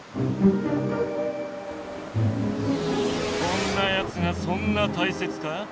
こんなやつがそんなたいせつか？